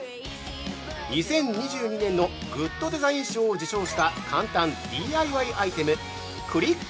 ◆２０２２年のグッドデザイン賞を受賞した簡単ＤＩＹアイテムクリック